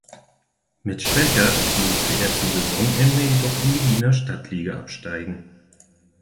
Mit Schwechat musste er zu Saisonende jedoch in die Wiener Stadtliga absteigen.